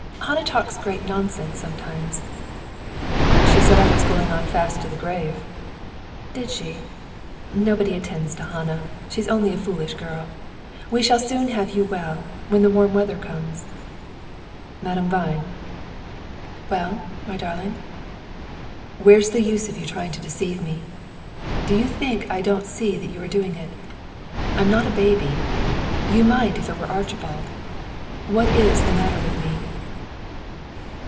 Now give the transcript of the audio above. "Hannah talks great nonsense sometimes." "She said I was going on fast to the grave." "Did she? Nobody attends to Hannah. She is only a foolish girl. We shall soon have you well, when the warm weather comes." "Madame Vine." "Well, my darling?" "Where's the use of your trying to deceive me? Do you think I don't see that you are doing it? I'm not a baby; you might if it were Archibald. What is it that's the matter with me?"